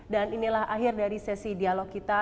inilah akhir dari sesi dialog kita